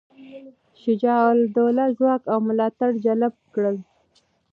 شجاع الدوله ځواک او ملاتړي جلب کړل.